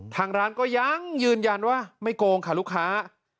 ทางร้านก็ยังยืนยันว่าไม่โกงค่ะลูกค้า